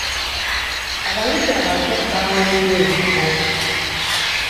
Abayizi abapya baweereddwa ebifo.